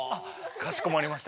かしこまりました。